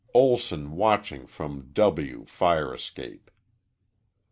Olson watching from W. fire escape.